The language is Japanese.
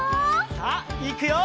さあいくよ！